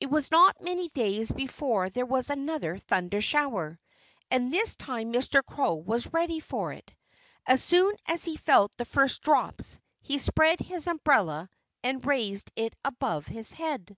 It was not many days before there was another thunder shower. And this time Mr. Crow was ready for it. As soon as he felt the first drops he spread his umbrella and raised it above his head.